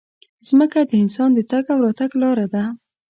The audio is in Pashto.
مځکه د انسان د تګ او راتګ لاره ده.